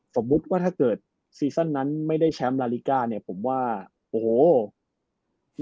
สมมุติว่าถ้าเกิดซีซั่นนั้นไม่ได้แชมป์ลาลิกาเนี่ยผมว่าโอ้โห